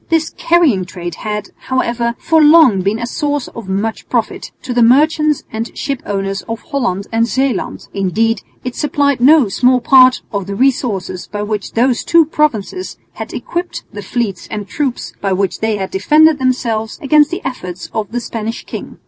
This carrying trade had, however, for long been a source of much profit to the merchants and shipowners of Holland and Zeeland; indeed it supplied no small part of the resources by which those two provinces had equipped the fleets and troops by which they had defended themselves against the efforts of the Spanish king.